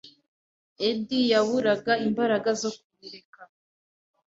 Eddie yaburaga imbaraga zo kubireka.